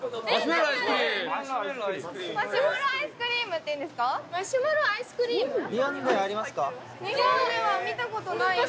マシュマロアイスクリームっていうんですか？